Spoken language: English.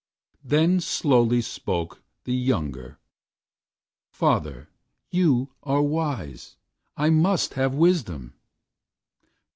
The slowly spoke The younger: "Father, you are wise. I must have Wisdom."